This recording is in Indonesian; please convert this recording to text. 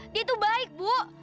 dia tuh baik bu